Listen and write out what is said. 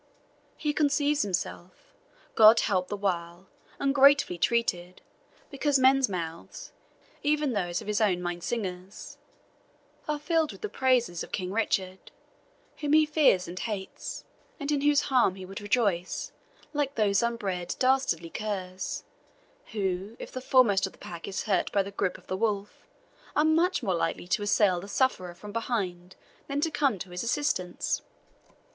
He conceives himself, God help the while, ungratefully treated, because men's mouths even those of his own MINNE SINGERS [The German minstrels were so termed.] are filled with the praises of King Richard, whom he fears and hates, and in whose harm he would rejoice, like those unbred, dastardly curs, who, if the foremost of the pack is hurt by the gripe of the wolf, are much more likely to assail the sufferer from behind than to come to his assistance.